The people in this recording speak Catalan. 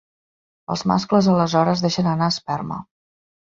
Els mascles aleshores deixen anar esperma.